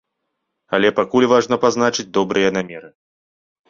Але пакуль важна пазначыць добрыя намеры.